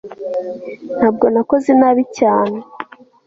ntabwo nakoze nabi cyane